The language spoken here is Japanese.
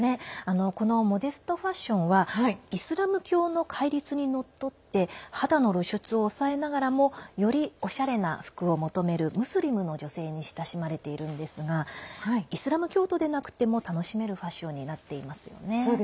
モデストファッションはイスラム教の戒律にのっとって肌の露出を抑えながらもよりおしゃれな服を求めるムスリムの女性に親しまれているんですがイスラム教徒でなくても楽しめるファッションになっていますよね。